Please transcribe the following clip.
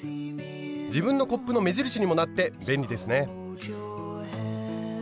自分のコップの目印にもなって便利ですね。